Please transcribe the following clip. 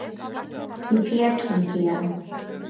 ფიფია თუნთია